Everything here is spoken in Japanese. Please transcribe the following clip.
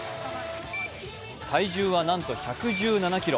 体重はなんと１１７ｋｇ。